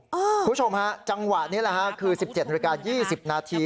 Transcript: คุณผู้ชมฮะจังหวะนี้คือ๑๗นาที๒๐นาที